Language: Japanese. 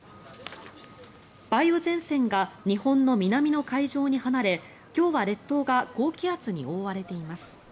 梅雨前線が日本の南の海上に離れ今日は列島が高気圧に覆われています。